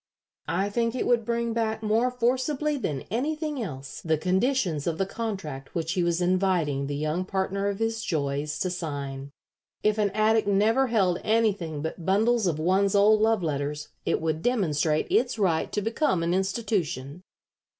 I think it would bring back more forcibly than anything else the conditions of the contract which he was inviting the young partner of his joys to sign. If an attic never held anything but bundles of one's old love letters it would demonstrate its right to become an institution."